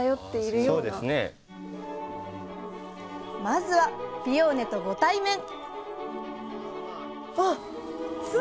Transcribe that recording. まずはピオーネとご対面！